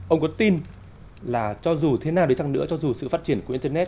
ông có tin là cho dù thế nào để chăng nữa cho dù sự phát triển của internet